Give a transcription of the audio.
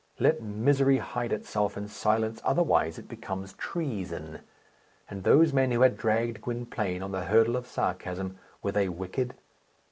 Let misery hide itself in silence, otherwise it becomes treason. And those men who had dragged Gwynplaine on the hurdle of sarcasm, were they wicked?